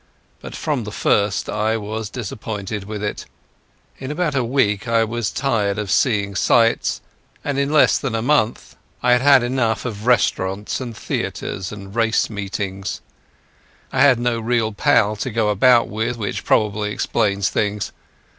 But from the first I was disappointed with it. In about a week I was tired of seeing sights, and in less than a month I had had enough of restaurants and theatres and race meetings. I had no real pal to go about with, which probably explains things.